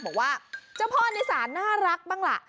บอกว่าเจ้าพ่อในศาลน่ารักบ้างล่ะ